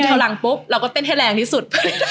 เมื่ออยู่แถวหลังปุ๊บเราก็เต้นให้แรงที่สุด